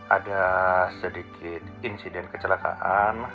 ada sedikit insiden kecelakaan